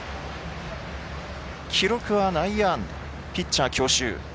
記録は内野安打ピッチャー強襲。